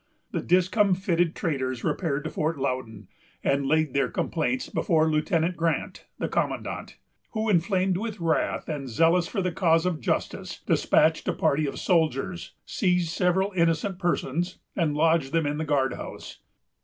The discomfited traders repaired to Fort Loudon, and laid their complaints before Lieutenant Grant, the commandant; who, inflamed with wrath and zealous for the cause of justice, despatched a party of soldiers, seized several innocent persons, and lodged them in the guard house.